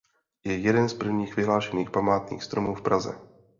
Je jeden z prvních vyhlášených památných stromů v Praze.